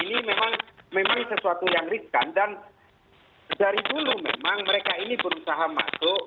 ini memang sesuatu yang riskan dan dari dulu memang mereka ini berusaha masuk